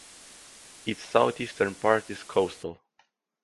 Its southeastern part is coastal.